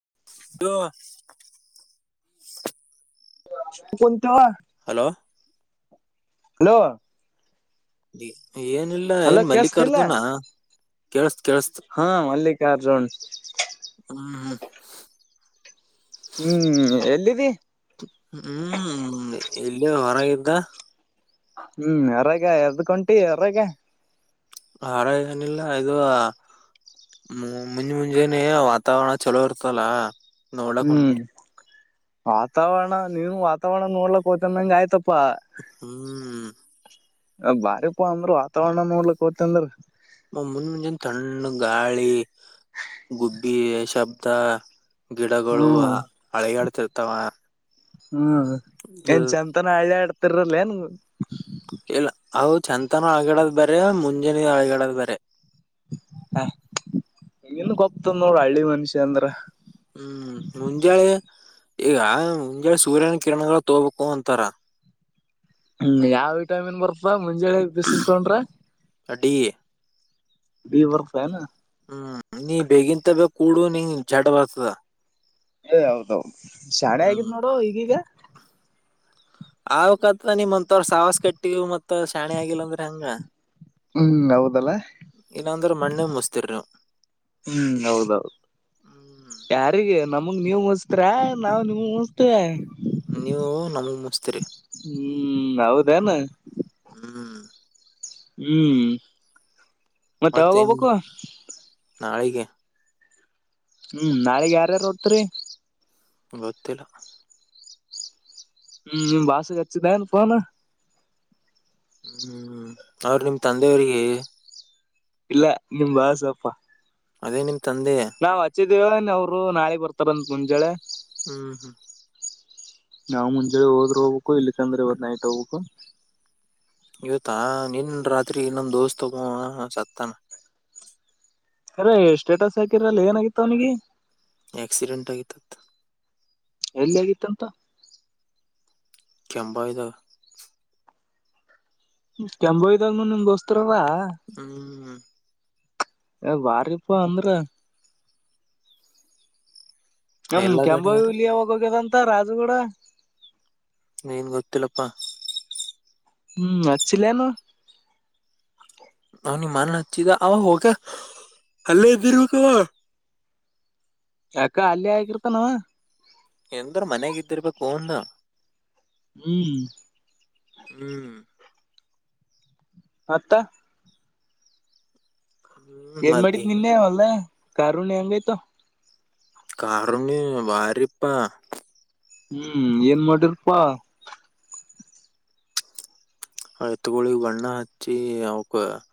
ಹ ಶ ಕತ ಹ ಹಲೋ ಹಲೋ ಏನಿಲ್ಲ ಹಲೋ ಕೇಳಸ್ತಿಲ್ಲ ಏನ್ಮಲ್ಲಿಕಾರ್ಜುನ ಹಾ ಮಲ್ಲಿಕಾರ್ಜುನ್ ಹಾ ಹಾ ಹ್ಮ್ ಎಲ್ಲಿದ್ದಿ ಹೂ ಇಲ್ಲೇ ಹೊರಗಿದ್ದ? [unintelligible] ಹೂ ಯರಾಗ ಎದಕಹೊಂಟಿ ಯರಾಗ? [unintelligible] ಹಾರ ನಿಲ್ಲ ಇದು ಹ್ಮ ಮುಂಜ್ ಮುಂಜಾನೇ ವಾತಾವರಣ ಚಲೋ ಇರ್ತಲ್ಲ ನೋಡಕ್ ಹ್ಮ್ ಹೊಂಟನಿ ವಾತಾವರಣ ನೀವನು ವಾತಾವರಣ ನೋಡ್ಲಕ್ ಹೋ್ತಂದಂಗ ಆಯ್ತಪ್ಪ ಹ್ಮ್ ಬಾರಿ ಪಾ ಅಂದ್ರ ವಾತಾವರಣ ನೋಡ್ಲಿಕ್ ಹತ ಅಂದ್ರ ಮುಂದ ಮುಂಜಾನ ತಣ್ಣ ಗಾಳಿ ಗುಬ್ಬಿ ಶಬ್ದ ಗಿಡಗಳು ಹ್ಮ್ ಹಳಗಾಡ್ತಿರ್ತಾವ ಹ್ಮ್ ಏನ್ ಚೆಂತನ ಹಳೆ ಆಡ್ತಿರಲ್ಲ ನ್ ಇಲ್ಲ ಅವ ಚಂತಾನ ಅಳಗೆ ಆಡೋದು ಮುಂಜಾನೆ ಅಳಗೆ ಆಡೋದ ಬೇರೆ. [unintelligible] ಹ ನಿನಗ ಓಪ್ತದ ನೋಡ ಹಳ್ಳಿ ಮನುಷ್ಯ ಅಂದ್ರ. [unintelligible] ಹೂ ಮುಂಜಾಳೆ? [unintelligible] ಈಗ ಮುಂಜಲೇ ಸೂರ್ಯನ ಕಿರಣಗಳು ತೋಗೋಬೇಕು ಅಂತಾರ? [unintelligible] ಹೂ ಯಾವ್ ವಿಟಾಮಿನ್ ಬರ್ತದ ಮುಂಜಾನೆ ಬಿಸಲ್ ತೊಗೊಂಡರ? [unintelligible] ಡಿ. [unintelligible] ಡಿ ಬರ್ತ್ ಏನ್? [unintelligible] ಹೂ ನೀ ಬೇಗಿನ್ಂತಗ ಕೂಡು ನಿಂಗ್ ಜಡ ಬರ್ತದ? [unintelligible] ಏ ಹೌದೂ ಶಾನೆ ಹ್ಮ್ ಆಗಿದಿನೋಡ ಈಗೀಗ. [unintelligible] ಅವಕತ್ ನಿಮ್ಮ ಅಂತೂರ ಸಾವಾಸ ಕಟ್ಟಿವಿ ಮತ್ತ ಶಾಣಿ ಆಗಿಲ್ಲ ಅಂದ್ರ ಹೆಂಗ್? [unintelligible] ಹು ಹೌದಲ್ಲ? ಇಲ್ಲಾಂದ್ರ ಮಣ್ಣಿಗ್ [unintelligible] ಮುಸ್ತಿರ್ ನೀವು ಹೂ ಹೌದೌದು ಹ್ಮ್ ಯಾರಿಗೆ ನಮ್ಮ [unintelligible] ಮುಂದ ನೀವ್ ಮುಸ್ತರಾ ನಾವು ನಿಮಗ್ ಮುಸ್ತತವೆ. [unintelligible] ನೀವು ನಮ್ಮಗ ಮುಸ್ತರಿ. [unintelligible] ಹೂ ಹೌದ ಏನ್? [unintelligible] ಹೂ [unintelligible] ಹೂ ಮತ್ತೆ ಯಾವಾಗ ಮತ್ತೇನ್ ಹೋಗ್ಬೇಕು. [unintelligible] ನಾಳಿಗೆ? [unintelligible] ಹೂ ನಾಳಿಗೆ ಯಾರರ ಹೊಗತ್ತಿರಿ. [unintelligible] ಗೊತ್ತಿಲ್ಲಾ? [unintelligible] ಹೂ ಬಾಸ ಹಚ್ಚಿದಾ ಏನ್ ಪೋನ್? [unintelligible] ಹು ಹು ಅವ್ರ ನಿಮ್ಮ ತಂದೆಯವರಿಗೆ, [unintelligible] ಇಲ್ಲ ನಿಮ್ ಬಾಸ ಅಪ್ಪ? [unintelligible] ಅದೇ ನಿಮ್ ತಂದೆ? [unintelligible] ಕೇಳಿನಿ ಅವ್ರು ನಾಳೆಗ ಬರ್ತಾರಂತ ಮುಂಜಳೆ. [unintelligible] ಹ್ಮ್ ಹ್ಮ್ ನಾವು ಮುಂಜಳೆ ಹೋದ್ರರ ಹೋಗ್ಬೇಕು ಇಲ್ಲಿಕ್ಕಂದ್ರೆ ಇವತ್ತ ನೈಟ್ ಹೋಗ್ಬೇಕು. [unintelligible] ಇವತ್ತಾ ನಿನ್ ರಾತ್ರಿ ನಮ್ ದೋಸ್ತ ಒಬ್ಬವ್ ಸತ್ತಾನ? [unintelligible] ಕೆರೆ ಸ್ಟೇಟಸ್ ಹಾಕಿರಲ್ಲ ಏನಾಗಿತ್ತ ಅವ್ನಿಗೆ? [unintelligible] ಆಕ್ಸಿಡೆಂಟ್ ಆಗಿತ್ತ ಅಂತ್, [unintelligible] ಎಲ್ಲಿ ಆಗಿತ್ತಂತ. [unintelligible] ಕೆಂಬವಿದಾಗ್? [unintelligible] ಕೆಂಬಯ್ದಾಗ ನಿಮ್ ದೋಸ್ತರ ಅದಾ [unintelligible] ಹೂ [unintelligible] ಬಾರಿಪ್ಪ ಅಂದ್ರ? [unintelligible] ನಮ್ಮ ಎಲ್ಲಾ ಕೆಂಬ ಕಡೆ ಯಾರ ಹುಲಿ ಯಾವಗ ಹೋಗ್ಯದಂತ ರಾಜು ಗೂಡ [unintelligible] ಏನ್ ಗೊತ್ತಿಲ್ಲಪ್ಪಾ? [unintelligible] ಹೂ ಹಚ್ಚಿಲ ಏನು? [unintelligible] ಅವ ನಿಮ್ಮ ಅಣ್ಣ ಹಚ್ಚಿದ ಅವ ಹೋಗ ಅಲ್ಲೇ ಇದೀರಬೇಕ್ ಅವ [unintelligible] ಯಾಕ ಅಲ್ಲಿ ಯಾಕ ಇರ್ತಾನ ಅವ [unintelligible] ಎಂದರು ಮನೆಗ್ದಿರ್ಬೇಕು ಹಂದು ಹ್ಮ್ ಹ್ಮ್ ಮತ್ತ? ಹ್ಮ್ ಏನ್ ಮತ್ತ ಮಾಡಿದಿ ನಿನ್ನೆ ಹೊಲಾದಾಗ ಕಾರ ಹುಣಿವಿ ಹೆಂಗ್ ಅಯ್ತ ಓ [unintelligible] ಕಾರುಣ್ಣಿಮೆ ಬಾರಿಪ್ಪಾ? [unintelligible] ಹೂ ಏನ್ ಮಾಡಿರ್ಪಾ? [unintelligible] ಅಎತ್ತುಗೂಳಿಗ ಬಣ್ಣ ಹಚ್ಚಿ ಅವಕ [unintelligible]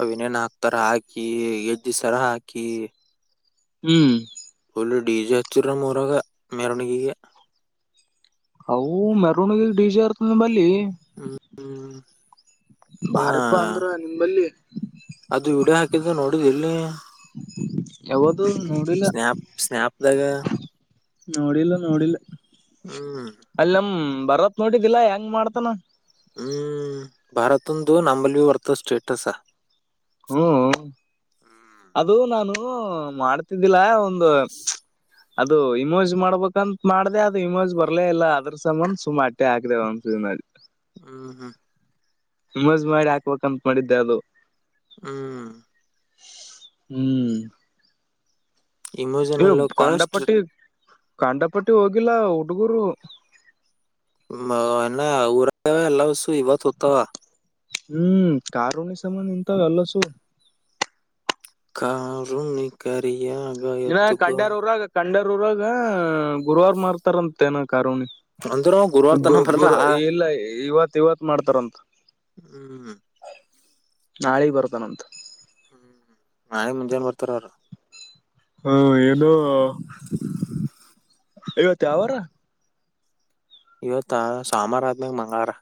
ಅವ ಏನೇನ್ ಹಾಕ್ತಾರ ಹಾಕಿ ಗೆಜ್ಜೆ ಸರಾ ಹಾಕಿ. [unintelligible] ಹೂ [unintelligible] ಪುಲ್ ಡಿ ಜಿ ಹಚ್ಚಿದರ ನಮ್ಮ ಊರಾಗ್ ಮೆರವಣಿಗೆಗ [unintelligible] ಅವು ಮೆರವಣಿಗೆ ಡಿಜೆ ಇರ್ತದ ನಮಲ್ಲಿ, [unintelligible] ಹ್ಮ ಬಾರಪ ಅಂದ್ರ ನಿಂಬಲ್ಲಿ ಅದು ವಿಡಿಯೋ ಹಾಕಿದ್ದ ನೋಡಿದ್ ಇಲ್ಲಿ ಯಾವದು ನೋಡಿಲ್ಲ ಸ್ನ್ಯಪ್ ಸ್ನ್ಯಾಪ್ದಾಗೆ ನೋಡಿಲ್ಲ ನೋಡಿಲ್ಲ ಹ್ಮ ಭಾರತ್ ನೋಡಿದ್ದಿಲ್ಲಾ ಹೆಂಗ ಮಾಡ್ತಾನ ಹ್ಮ್ ಭಾರತಂದುು ನಂಬಲ್ವಿ ವರ್ತ ಸ್ಟೇಟ್ಸ ಹ್ಮ್ ಹ್ಮ್ ಅದು ನಾನು ಮಾಡ್ತಿದ್ದಿಲ್ಲ ಒಂದು ಅದು ಇಮೋಜ್ ಮಾಡ್ಬೇಕಂತ ಮಾಡ್ದ ಅದು ಇಮೋಜ್ ಬರ್ಲೇ ಇಲ್ಲ ಅದ್ರ ಸಮಬಂ ಸುಮಟ್ಟೆ ಹಾಕ್ದೆವ ನಾ [inaudible] ಹ್ಮ್ ಹ್ಮ್ ಮಜ್ ಮಾಡಿ ಹಾಕ್ಬೇಕಕ್ಂತ ಮಾಡಿದ್ದೆ ಅದು ಹ್ಮ ಹ್ಮ್ ಹೇ ಇಮೋಜನಲ್ ಕಾಸ್ಟ್ ಕಂಡಪಟ್ಟಿ ಕಾಂಡಪಟ್ಟಿ ಹೋಗಿಲ್ಲ ಹುಡುಗರು [unintelligible] ಊರ ಎಲ್ಲ ಇವತ್ ಹೊತ್ತಾವ ಹ್ಮ್ ಕಾರುನಿ ಸಂಬಧ ನಿಂತ ಎಲ್ಲ ಸು [inaudible] ಇನ ಎತ್ತುಗೋ ಕಂಡ್ಯಾರ ಊರಾಗ ಕಂಡ್ಯಾರ ಊರಾಗ ಗುರುವಾರ ಮಾರ್ತಾರಂತೆ ಏನಕ ಕಾರುಣಿ ಅಂದ್ರ ಗುರುವಾರ ತನ ಬರಲ್ಲ ಗುರ ಎಲ್ಲ ಇವತ್ ಇವತ್ ಮಾಡ್ತಾರಂತ ಹ್ಮ್ ನಾಳೆಗ್ ಬರ್ತಾನಂತ ನೆ ಮುಂಜಾನ ಬರ್ತಾರ ಅವರು ಹ್ಮ ಏನು ಇವತ್ತು ಯಾವಾರ ಇವತ್ತಾ ಸೋಮವಾರ ಆದ್ಮೇಲೆ ಮಂಗಳವಾರ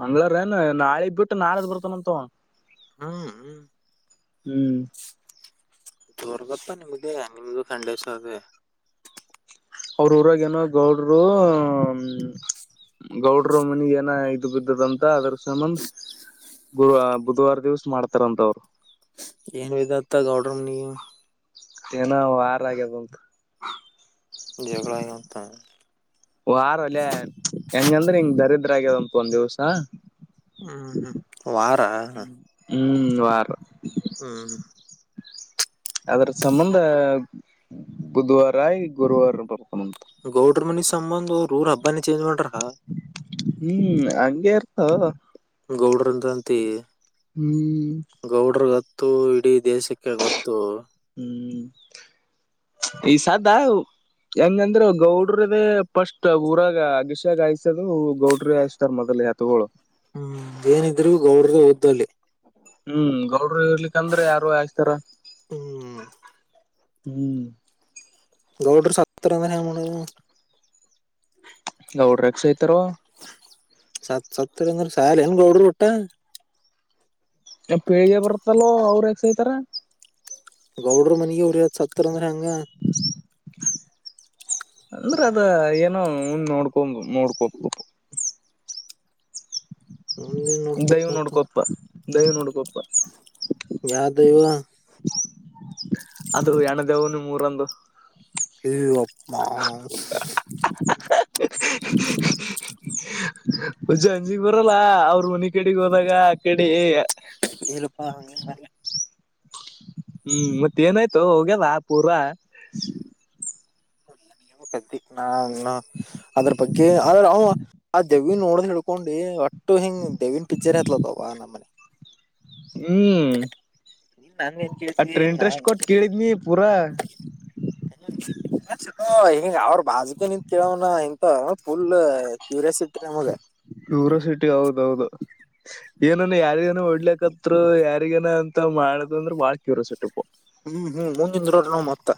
ಮಂಗಳವಾರ ಏನ್ ನಾಳಿಗ್ ಬಿಟ್ಟು ನಾಳದ್ ಬರ್ತನಂತು ಹ್ಮ್ ಹ್ಮ್ ಹ್ಮ್ ಜೋರ್ಗಪ್ಪಾ ನಿಮ್ದೇ ನಿಮ್ಗೂ ಖಂಡೇಶ ಅೇ ಅವ್ರ ಊರಾಗೇಏನೋ ಗೌಡ್ರು ಹ ಗೌಡರು ಮನೆಗೆ ಏನ ಇದು ಬಿದ್ದದಂತ ಅದ್ರ ಸಂಬಂಂದ ಗು ಬುಧವಾರ ದಿವಸ ಮಾಡ್ತಾರಂತ ಅವ್ರು ಏನ್ ವಿದತ್ತ ಗೌಡ್ರಮ್ ನೀವು ಏನ ವಾರ ಆಗೆ ಬದು [inaudible] ಹೆಂಗಂದ್ರೆ ಹಿಂಗ್ ದರಿದ್ರ ಆ್ಯದ ಅಂತ ಒಂದ್ ದಿವಸಾ ಹ್ಮ್ ಹ್ಮ್ ವಾರ ಹ್ಮ್ ವಾರ ಹ್ಮ್ ಅದರ ಸಂಬಂಧ ಬುಧವಾರ ಆ ಗುರುವಾರ ಬರ್ತ ಗೌಡ್ರ ಮನಿ ಸಂಬಂಧ ರೂರ ಹಬ್ಬ ಹ್ಮ್ ಹಾಗಂಗೇರ್ತ ಗೌಡ್ರಂತ ಅಂತ ಹ್ಮ್ ಗತ್ತು ಇಡೀ ದೇಶಕ್ಕೆ ಗೊತ್ತು ಹ್ಮ್ ಈ ಸದಾ ಹೆಂಗಂದ್ರ ಗೌಡ್ರದೇ ಪಫಸ್ಟ್ ಊರಾಗ ಅಗಿಶಾಗ ಆಯಸತದು ಗೌಡ್ರಿ ಆಯಿಸಸ್ತಾರ ಮೊದ ಹೆತ್ಗಳು ಹ್ಮ್ ಏನಿದ್ರಬಿ ಗೌಡರದ ಊದ್ದ ಅಲ್ಲಿ. ಹ್ಮ್ ಗೌಡ್ರು ಇರ್ಲಿಕ್ಕಂದ್ರೆ ಯಾರು ಆಯಸ್ತಾರ್. ಹ್ಮ್ ಹ್ಮ್ ಗೌಡೂರ್ ಸತ್ತರಂದರ ಹೆಂಗ್ ಮಾಡೋದು. ಗೌಡ್ರ ಯಾಕ್ ಸಾಯ್ತಾರೋ. ಸತ್ ಸತ್ತರ ಅಂದ್ರ ಸಾಯಲ್ ಏನ್ ಗೌಡೂರ್ ವಟ್ಟ. ಹಿನಾ ಪೀಳಿಗೆ ಬರ್ತದಲ್ಲೋ ಅವ್ರ ಯಾಕ್ ಸೈತಾರಾ. ಗೌಡ್ರ ಮನಿಗೆ ಉರಿ ಹಚ್ಚ ಹಾಕ್ದೂರ್ ಅಂದ್ರ ಹೆಂಗಾ. ಅಂದ್ರ ಅದ ಏನೋ ಮುಂದ್ ನೋಡ್ಕೊ ನೋಡ್ಕೋಬೇ ಮುಂದಿನ್ ನೋಡ್ಕೋತ್ ದೈವ ಮತ್ತ ನೋಡ್ಕೊಪ್ಪ ದೈವ ನೋಡ್ಕೊಪ್ಪ. ಯಾ ದೈವಾ. ಅದು ಹೆಣ್ಣ ದೈವಾ ನಿಮ್ ಊರಾಂದು. ಎ ಯಪ್ಪಾ [unintelligible] [unintelligible] ಉಜ್ಜ ಅಂಜಿಕ ಬರಲ್ಲ ಅವ್ರ ಮನಿ ಕಡೆಗ್ ಹೋದಾಗ ಆಕಡಿ. ಇಲ್ಲಪ್ಪ ಹಂಗೆನ್ ಹ್ಮ್ ಮತ್ತ ಏನಾಯ್ತು ಹೋಗ್ಯದಾ ಪೂರಾ. ಕತ್ತಿ ನ ನಾ ಅದ್ರ ಬಗ್ಗೆ ಆದ್ರ ಅವ ಆ ದೇವ್ವಿಗ್ ನೋಡೀನ್ ಹಿಡ್ ಹಕೊಂಡಿ ಒಟ್ಟು ಹಿಂಗ್ ದೆವ್ವಿನ್ ಪಿಕ್ಚರ್ ಹತ್ಲತವ ಆ ನಮನಿ [unintelligible] ಹ್ಮ್ ನೀನ್ ನನ್ಗೇನ್ ಕೇಳ್ತಿ ಅಟ್ ಇಂಟ್ರೆಸ್ಟ್ ನಾನ್ ಕೊಟ್ಟ ಕೇಳಿದ್ ನೀ ಪೂರಾ. [unintelligible] ಈಗ ಅವ್ರ ಬಾಜುಕ ನಿಂತ ಕೇಳವನ ಇಂತ ಫುಲ್ ಕ್ಯೂರಿಯಾಸಿಟಿ ನಮಗ. ಕ್ಯೂರಸಿಟಿ ಹೌದೌದ. ಏನನು ಯಾರಿಗೇನ ಹೊಡ್ಲಕ್ಕತ್ರು ಯಾರಿಗೇನ ಅಂತ ಮಾಡುದುವ ಅಂದ್ರ ಬಾಳ ಕ್ಯೂರಸಿಟಿಪ್ಪ. ಹ್ಮ್ ಹ್ಮ್ ಮುಂದ ನಿಂದ್ರವರ್ ನಾವ್ ಮತ್ತ್.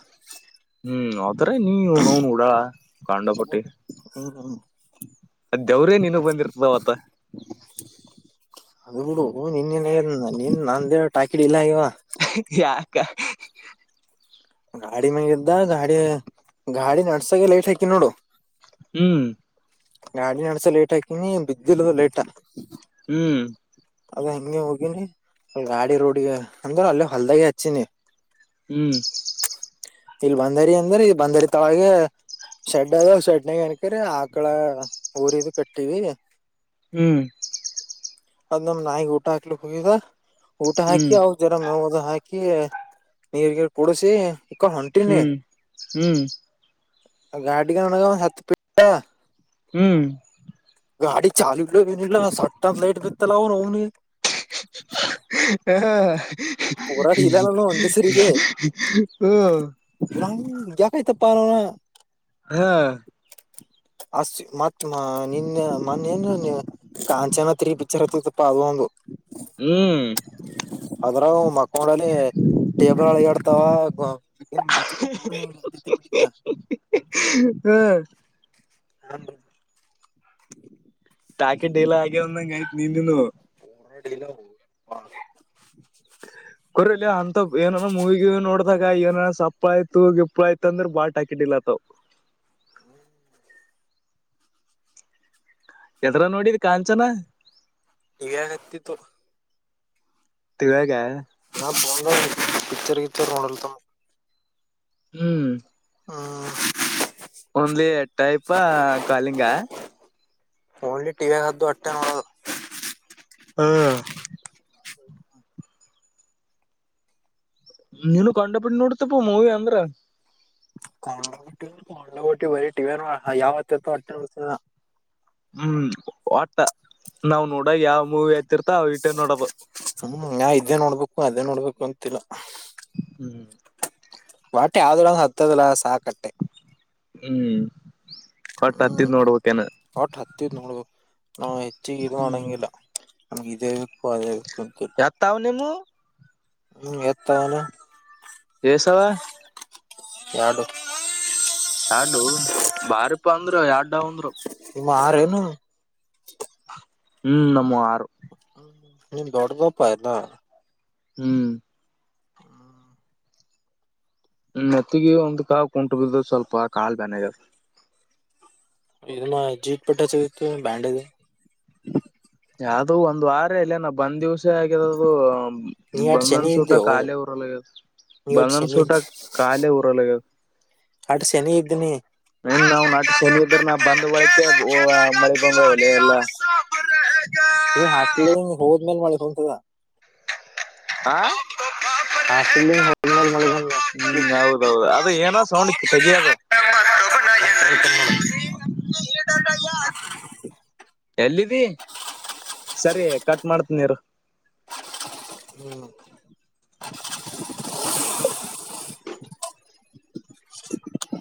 ಹ್ಮ್ ಅವತ್ರಾಗ ನೀ [unintelligible] ಉಡಾಳ್ ಕಂಡಪಟ್ಟಿ. ಹ್ಮ್ ಹ್ಮ್ ಆ ದೇವ್ರೇ ನೀನಗ್ ಬಂದಿರ್ತದ ಅವತ್ತ. ಹಓ ನಿನ್ನ್ ನೀನ್ ನಿನ್ನ ನನ್ನ ನಂದೇನ ಟಾಕಿ ಡಿಲಾ ಆಗ್ಯಾವ್. [unintelligible] ಗಾಡಿ ಮ್ಯಾಗ ಇದ್ದ ಗಾಡಿ ಗಾಡಿ ನಡ್ಸಾಗೆ ಲೈಟ್ ಹಾಕಿನ್ ನೋಡು. ಹ್ಮ್ ಗಾಡಿ ನಡ್ಸ ಲೇಟ್ ಹಾಕಿನಿ ಬಿದ್ದಿಲ್ಲ ಅದು ಲೈಟ್. ಹ್ಮ್ ಅದ ಹಂಗೆ ಹೋಗಿನಿ ಗಾಡಿ ರೋಡಿಗೆ ಅಂದ್ರ ಅಲ್ಲೇ ಹೊಲ್ದಾಗೆ ಹಚ್ಚಿನಿ. ಹ್ಮ್ ಇಲ್ ಬಂದರಿ ಅಂದ್ರ ಇ ಬಂದರಿ ತೆಳಗೆ ಶೆಡ್ ಅದ ಶೆಡ್ನಗ ಅಣಕರಿ ಮಕ್ಕಳ ಊರಿಗೂ ಕಟ್ಟೀವಿ ಹ್ಮ್ ಅದ್ ನಮ್ ನಾಯಿಗೆ ಊಟ ಹಾಕ್ಲಿಕ್ ಹೋಗದ ಊಟ ಹಾಕಿ ಹ್ಮ್ ಅವ ಜರ ನ ಹೋದ ಹಾಕಿ ನೀರ್ಗಿರ್ ಕುಡ್ಸಿ ಹ್ಮ್ ಹ್ಮ್ ಗಾಡಿಗ ನನಗ್ ಒಂದ್ ಹತ್ತ ಫೀಟ್ಗ ಹ್ಮ್ ಗಾಡಿ ಚಾಲೂ ಇಲ್ಲಾ ಏನಿಲ್ಲ ಸಟ್ಟ ಅಂತ್ ಲೈಟ್ ಬಿತ್ತ ಅಲಾ [unintelligible] ಹಾ ಪುರಾ ಡೀಲಾ ನನ್ನುವ್ ಒಂದೇ ಸರಿಗೆ ಹ್ಮ ನಂಗ ಜಾಕ ಆಯ್ತಪ್ಪ [unintelligible] ಹಾ ಅಷ್ಟ ಮತ್ ನಿನ್ನ ಮೊನ್ನ ಏನ್ ನೀ ಕಾಂಚನತ್ರಿ ಪಿಕ್ಚರ್ ಹತ್ತಿತ್ತಪ್ಪ ಅದು ಒಂದು ಹ್ಮ್ ಅದ್ರಗು ಮಕ್ಕೊಂಡಲಿ ಎದ್ರಳಿ ಆಡ್ತಾವ ಮಂಚ ಬಿಡ [unintelligible] ಹ್ಮ [inaudible] ಟಾಕೆ ಡೆಲಾ ಆಗ್ಯವ್ ಅಂದ್ ಐತ್ ನಿಂದನು ರಡಿಲ್ಲ ಹ [unintelligible] ಕೊರಿ ಅಂತ ಏನನ ಮೂವಿ ಗಿವಿ ನೋಡ್ದಾಗ ಏನ ಸಪ್ಪ ಆಯ್ತು ಗಿಪ್ ಆಯ್ತ ಅಂದ್ರೆ ಬಾ ಟಾಕಿಡಿಲ್ಲತವ್ [inaudible] ಎದ್ರ ನೋಡಿ ಕಾಂಚನ ಈಗ ಹತಿತ್ತು ತಿವಾಗ ಬಂದ ಪಿಕ್ಚರ್ ಕಿಕ್ಚರ್ ನೋಡಲ್ತಮ್ಮ [inaudible] ಹ್ಮ್ ಹ [inaudible] only type calling only TV [unintelligible] ಹ್ದು ಅಟ್ಟ ನ ಹ ನೀನು ಕಂಡ ಬಿಟ್ ನೋಡ್ತಪ್ಪು ಮೂವಿ ಅಂದ್ರ [unintelligible] ಟ್ಟ್ಟ್ಟಿ ಬರೀ ಟಿವ ಯಾವತ್ತತ್ತು ಅ ಹ್ಮ್ ಒಟ್ಟ ನಾವ್ ನೋಡ ಯಾವ್ ಮೂವಿ ಆತಿರ್ತ ಅವ ಇಟ್ಟೇ ನೋಡದು ಹ ನಾ ಇದೇ ನೋಡ್ಬೇಕು ಅದೇ ನೋಡ್ಬೇಕು ಅಂತಿಲ್ಲ ಹ್ಮ್ ಬಟ್ಟೆ ಯಾವ್ದರು ಹತ್ತದಲ್ಲ ಸಾಕಟ್ಟೆ ಹ್ಮ್ ಒಟ್ಟ ಹತ್ತಿದ್ ಹ್ಮ್ ನೋಡ್ಬೇಕೇನ ಒಟ್ ಹತ್ತಿದ್ ನೋಡಬೆಕ್ ನಾವು ಹೆಚ್ಚಿಗೆ ಇದು ಹ್ಮ್ ಮಾಡಂಗಿಲ್ಲ ನಮ್ಗೆ ಇದೆ ಪದೆಗ ಎತ್ತಾವ್ ನೀಮು ಹ್ಮ್ ಎತಾನ ಎಸವಾ ಎಡುು [inaudible] ಎಡು ಬಾರಿಪ ಅಂದರು ಯಡ ಅಂದ್ರು ಮಾರನು ಹ್ಮ್ ನಮ್ಮ ಆರು ನೀ ಬಡ್ಗಪಾಯನಾ [unintelligible] ಹ್ಮ್ ಹ್ಮ ಮತ್ತಿಗೆ ಒಂದು ಕಾವು ಕುಂಟು ಬಿದ ಸ್ವಲ್ಪ ಕಾಲು ಬನೆ ಆಗ್ಯಾದ ಇದನ್ನ ಜೀಟ್ ಪಟ್ಟೆ ಸಿಗತ [unintelligible] ಬ್ಯಾಂಡ್ದೆ ಯಾವುದೋ ಒಂದ್ ವಾರ ಇಲ್ಲ ನಾವ್ ಬಂದಿವವ್ಸ್ [unintelligible] ಆಗ್ಯ ಅದು ನೀ ಎಟ್ ಬಂದಂದ ಶನಿ ಸೂಟ ಇದ್ದೇವು ಖಾಲಿ ಉಊರಲ್ಗ್ಯ ನೀ ಎಟ್ ಶನಿ ಬಧನ್ಸುಟ ಕಾಲೇ ಉರಲಿ ಅಡ್ ಶನಿ ಇದ್ದನಿ ಇನ್ ನಾವ್ ನಾಟ ಶನಿ ಇದ್ರ ನಾ ಟ್ಟ ಬಂದ್ ಬಳಕೆ ಚ ಮಳೆ ಚಾಡಿ ಬಂದವಲೆ ಆ ಎಲ್ಲಾ ಸಾಪ [inaudible] ನೀ ಹಾಕ ಹೋದ ಮೇಲೆ ಮಾಡಿ ಹತರ [inaudible] ಆ ಆ ಹಮಲ್ ಮ [inaudible] ಹ್ಮ್ ಹೌದೌದು ಅದ ಏನ ಸೌಂಡತ್ ತೆಗಿ ಅದ ಬಂದ ಮತ್ತೊಬ್ಬನ ಯಾರ [inaudible] ಎಲ್ಲಿದ್ದಿ ಸರಿ ಕಟ್ ಮಾಡ್ತನಿ ನೀರು ಹ್ಮ್